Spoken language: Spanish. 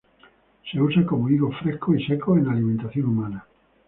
Se usa como higos frescos y secos en alimentación humana.